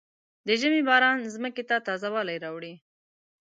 د ژمي باران ځمکې ته تازه والی راوړي.